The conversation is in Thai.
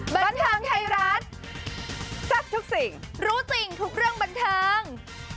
บันเทิงไทยรัฐแซ่บทุกสิ่งรู้จริงทุกเรื่องบันเทิง